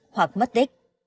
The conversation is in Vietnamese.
hoặc mất tích